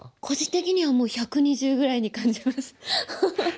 個人的にはもう１２０ぐらいに感じます。